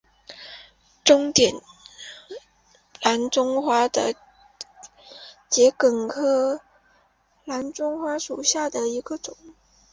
中甸蓝钟花为桔梗科蓝钟花属下的一个种。